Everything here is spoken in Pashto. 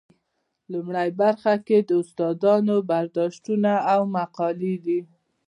لومړۍ برخه کې د استاد برداشتونه او مقالې دي.